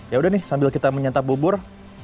ya udah nih sambil kita menyantap bubur